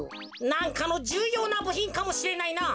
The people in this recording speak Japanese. なんかのじゅうようなぶひんかもしれないな。